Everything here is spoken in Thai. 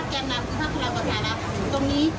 ตรงนี้